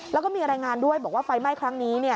แล้วก็มีรายงานด้วยบอกว่าไฟไหม้ครั้งนี้